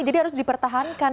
jadi harus dipertahankan